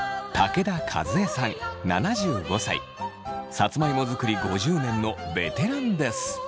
さつまいも作り５０年のベテランです。